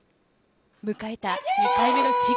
迎えた２回目の試技。